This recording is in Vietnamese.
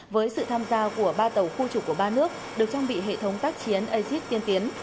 với sự tham gia của ba tàu khu trục của ba nước được trang bị hệ thống tác chiến asit tiên tiến